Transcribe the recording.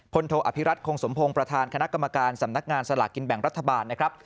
โทอภิรัตคงสมพงศ์ประธานคณะกรรมการสำนักงานสลากกินแบ่งรัฐบาลนะครับ